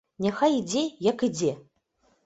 Няхай ідзе, як ідзе!